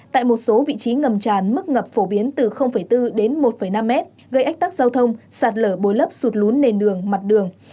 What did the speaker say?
tại một số vị trí ngầm tràn mức ngập phổ biến từ bốn đến một năm mét gây ách tắc giao thông sạt lở bồi lấp sụt lún nền đường mặt đường